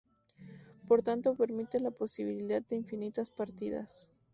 Por tanto, permite la posibilidad de infinitas partidas.